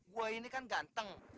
gue ini kan ganteng